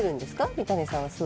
三谷さんは。